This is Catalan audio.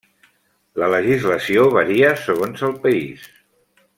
La legislació varia segons el país.